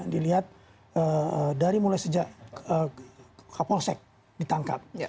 dilihat dari mulai sejak kapolsek ditangkap